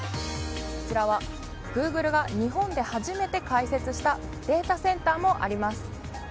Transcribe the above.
こちらはグーグルが日本で初めて開設したデータセンターもあります。